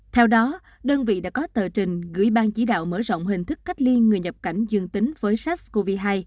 theo đó đơn vị đã có tờ trình gửi bang chỉ đạo mở rộng hình thức cách ly người nhập cảnh dương tính với sars cov hai